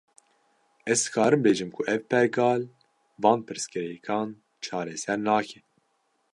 Ez dikarim bêjim ku ev pergal, van pirsgirêkan çareser nake